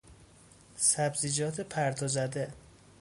سبزیجات پرتوزده